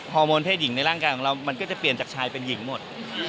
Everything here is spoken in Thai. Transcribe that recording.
โมนเพศหญิงในร่างกายของเรามันก็จะเปลี่ยนจากชายเป็นหญิงหมด